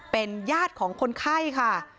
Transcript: เป็นญาติของคนไข้ค่ะ